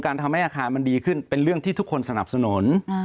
ทำให้อาคารมันดีขึ้นเป็นเรื่องที่ทุกคนสนับสนุน